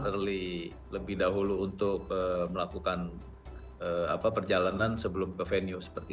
early lebih dahulu untuk melakukan perjalanan sebelum ke venue seperti